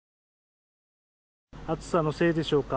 暑さのせいでしょうか。